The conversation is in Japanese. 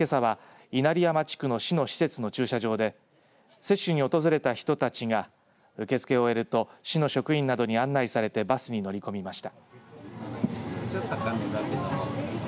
けさは稲荷山地区の市の施設で接種に連れだった人たちが受け付けを終えると市の職員などに案内されたバスに乗り込みました。